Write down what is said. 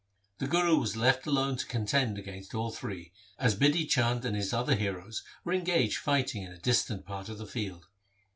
The Guru was left alone to contend against all three, as Bidhi Chand and his other heroes were engaged fighting in a distant part of the field.